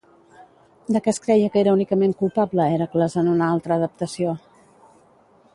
De què es creia que era únicament culpable Hèracles en una altra adaptació?